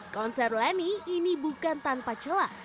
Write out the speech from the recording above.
konser leni ini bukan tanpa celah